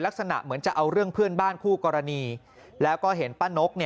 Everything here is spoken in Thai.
ลักษณะเหมือนจะเอาเรื่องเพื่อนบ้านคู่กรณีแล้วก็เห็นป้านก